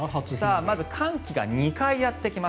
まず寒気が２回やってきます。